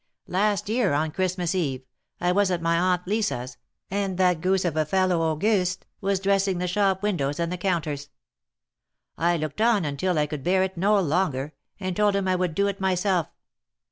Last year, on Christmas eve, I was at my Aunt Lisa's, and that goose of a fellow, Auguste, was dressing the shop windows, and the counters. I looked on until I could bear it no longer, and told him I would do it myself.